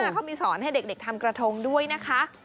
เขามีสอนให้เด็กทำกระทงด้วยนะคะ